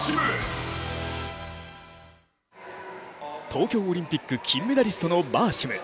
東京オリンピック金メダリストのバーシム。